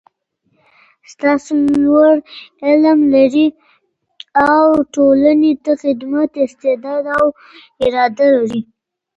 ستاسو لور علم لري او ټولني ته د خدمت استعداد او اراده لري